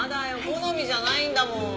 好みじゃないんだもん。